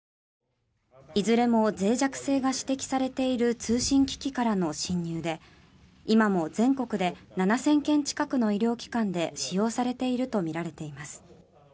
いずれもぜい弱性が指摘されている通信機器からの侵入で今も全国で７０００件近くの医療機関で使用されているとみられています。